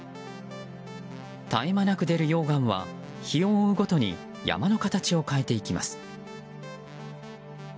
絶え間なく出る溶岩は日を追うごとに山の形を変えていきます。